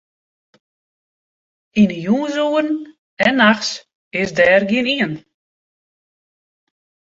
Yn 'e jûnsoeren en nachts is dêr gjinien.